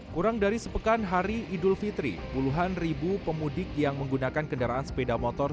kurang dari sepekan hari idul fitri puluhan ribu pemudik yang menggunakan kendaraan sepeda motor